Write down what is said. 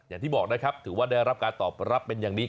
อย่างที่บอกนะครับถือว่าได้รับการตอบรับเป็นอย่างนี้